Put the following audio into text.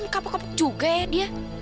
kapa kapa juga ya dia